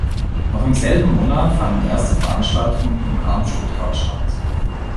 Noch im selben Monat fanden erste Veranstaltungen im Raum Stuttgart statt.